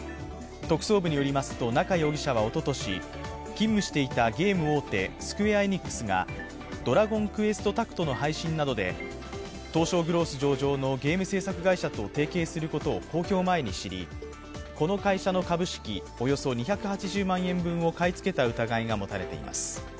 特捜部によりますと、中容疑者はおととし勤務していたゲーム大手、スクウェア・エニックスが「ドラゴンクエストタクト」の配信などで東証グロース上場のゲーム制作会社と提携することを公表前に知りこの会社の株式、およそ２８０万円分を買い付けた疑いが持たれています。